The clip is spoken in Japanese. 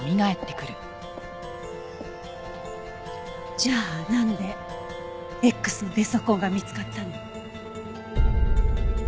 じゃあなんでＸのゲソ痕が見つかったの？